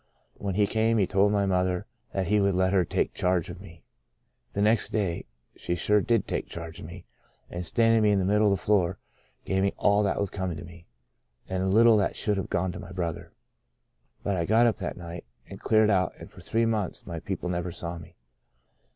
When he came he told my mother that he would let her take charge of me. The next day she sure did take charge of me, and, standing me in the middle of the floor, gave me all that was coming to me — and a little that should have gone to my brother. But I got up that night, and cleared out and for three months my people never saw me.